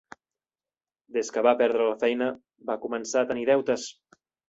Des que va perdre la feina, va començar a tenir deutes.